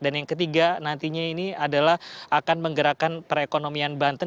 dan yang ketiga nantinya ini adalah akan menggerakkan perekonomian banten